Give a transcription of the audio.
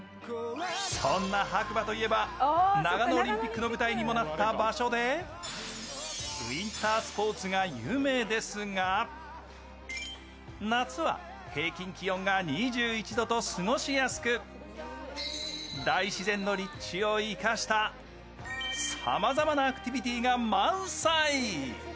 そんな白馬といえば長野オリンピックの舞台にもなった場所でウインタースポーツが有名ですが大自然の立地を生かしたさまざまなアクティビティーが満載。